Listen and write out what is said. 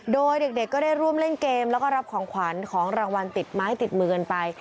โดยเด็กก็ได้ร่วมเล่นเกมแล้วก็รับของขวัญของรางวัลติดไม้ติดมือกันไป